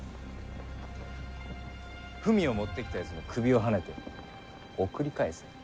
文を持ってきたやつの首をはねて送り返せ。